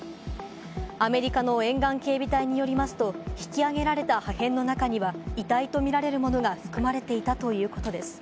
アメリカの沿岸警備隊によりますと、引き揚げられた破片の中には遺体とみられるものが含まれていたということです。